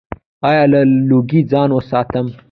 ایا له لوګي ځان وساتم؟